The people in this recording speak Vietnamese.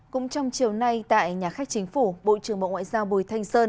cũng trong chiều nay tại nhà khách chính phủ bộ trưởng bộ ngoại giao bùi thanh sơn